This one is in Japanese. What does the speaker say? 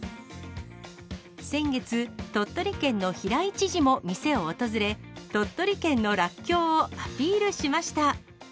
先月、鳥取県の平井知事も店を訪れ、鳥取県のらっきょうをアピールしました。